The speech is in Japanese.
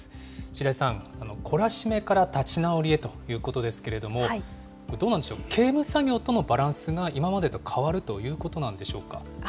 白井さん、懲らしめから立ち直りへということですけれども、これ、どうなんでしょう、刑務作業とのバランスが今までと変わるということなんでしょうか。